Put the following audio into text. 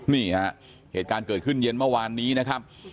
นี่ฮะเหตุการณ์เกิดขึ้นเย็นเมื่อวานนี้นะครับ